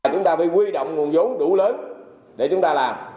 chúng ta phải quy động nguồn vốn đủ lớn để chúng ta làm